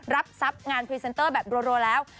รับทรัพย์งานพรีเซนเตอร์แบบรัวแล้ว